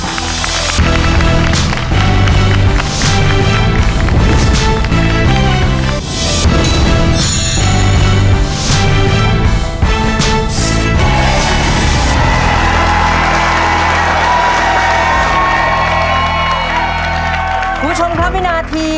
คุณผู้ชมครับวินาที